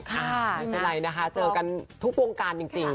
ไม่เป็นไรนะคะเจอกันทุกวงการจริง